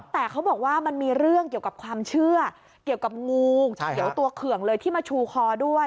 แต่เขาบอกว่ามันมีเรื่องเกี่ยวกับความเชื่อเกี่ยวกับงูเขียวตัวเขื่องเลยที่มาชูคอด้วย